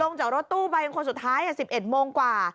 จากรถตู้ไปเป็นคนสุดท้าย๑๑โมงกว่า